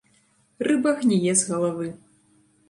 Рыба гніе з галавы.